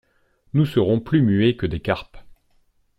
Nous serons plus muets que des carpes.